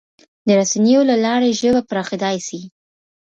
د رسنیو له لارې ژبه پراخېدای سي.